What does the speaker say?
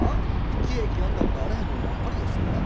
喜劇やったことあれへんもんばっかりでっせ。